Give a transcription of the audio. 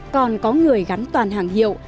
còn có người gắn toàn hàng hiệu